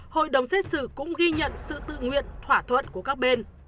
hội đồng xét xử cũng ghi nhận sự tự nguyện thỏa thuận của các bên